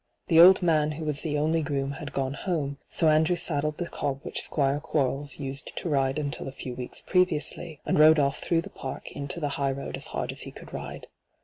The old man who was the only groom had gone home, so Andrew saddled the cob which Squire Quarles used to ride until a few weeks previously, and rode off through the park into the highroad as hard as he oould ride.